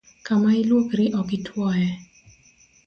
Kama iluokri ok ituoye